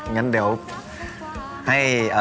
งั้นเดี๋ยวให้